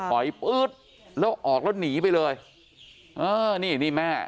อยปื๊ดแล้วออกแล้วหนีไปเลยเออนี่นี่แม่